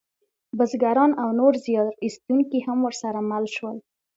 بزګران او نور زیار ایستونکي هم ورسره مل شول.